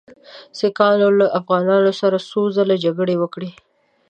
سیکهانو له افغانانو سره څو ځله جګړې وکړې.